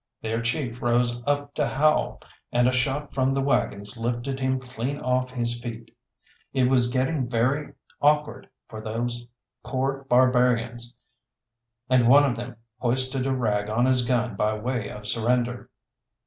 Their chief rose up to howl, and a shot from the waggons lifted him clean off his feet. It was getting very awkward for those poor barbarians, and one of them hoisted a rag on his gun by way of surrender.